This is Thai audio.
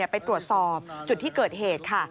ไปตรวจสอบจุดที่เกิดเหตุค่ะ